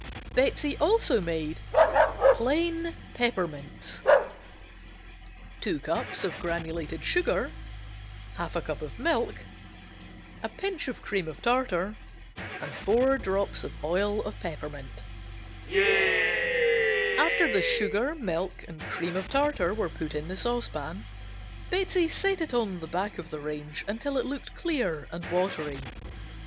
Betsey also made Plain Peppermints Sugar (granulated), 2 cups Milk, 1/2 cup Cream of tartar, A pinch Oil of peppermint, 4 drops After the sugar, milk and cream of tartar were put in the saucepan Betsey set it on the back of the range until it looked clear and watery.